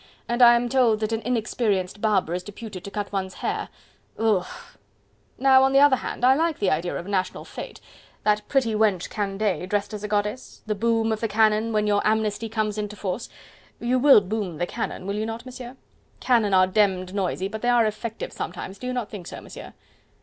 and I am told that an inexperienced barber is deputed to cut one's hair.... Brrr!... Now, on the other hand, I like the idea of a national fete... that pretty wench Candeille, dressed as a goddess... the boom of the cannon when your amnesty comes into force.... You WILL boom the cannon, will you not, Monsieur?... Cannon are demmed noisy, but they are effective sometimes, do you not think so, Monsieur?"